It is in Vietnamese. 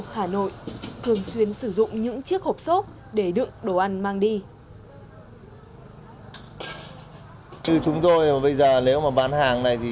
hà nội thường xuyên sử dụng những chiếc hộp xốp để đựng đồ ăn mang đi